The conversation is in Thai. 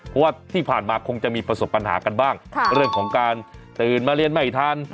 เพราะว่าที่ผ่านมาคงจะมีประสบปัญหากันบ้างเรื่องของการตื่นมาเรียนไม่ทัน